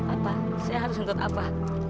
apa saya harus untuk apa